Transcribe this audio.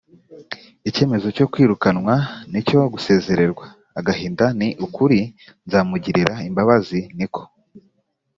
icyemezo cyo kwirukanwa n icyo gusezererwa agahinda ni ukuri nzamugirira imbabazi ni ko